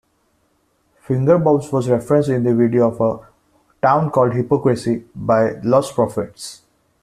Fingerbobs was referenced in the video of "A Town Called Hypocrisy" by Lostprophets.